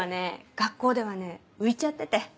学校ではね浮いちゃってて。